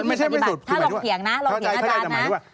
ไม่ใช่ไม่สุดคือหมายถึงว่าถ้าลองเขียงนะลองเขียงอาจารย์นะ